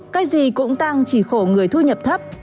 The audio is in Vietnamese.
cái gì cũng tăng chỉ khổ người thu nhập thấp